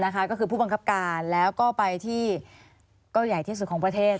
ก็คือผู้บังคับการแล้วก็ไปที่ก็ใหญ่ที่สุดของประเทศ